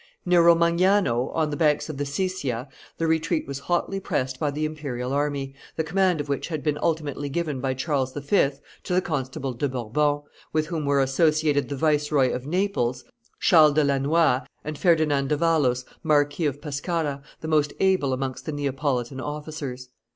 Near Romagnano, on the banks of the Sesia, the retreat was hotly pressed by the imperial army, the command of which had been ultimately given by Charles V. to the Constable de Bourbon, with whom were associated the Viceroy of Naples, Charles de Lannoy, and Ferdinand d'Avalos, Marquis of Pescara, the most able amongst the Neapolitan officers.